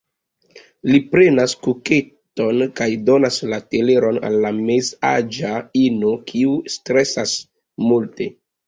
Li prenas kuketon, kaj donas la teleron al la mezaĝa ino kiu stresas multe.